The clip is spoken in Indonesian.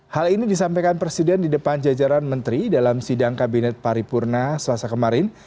hal ini disampaikan presiden di depan jajaran menteri dalam sidang kabinet paripurna selasa kemarin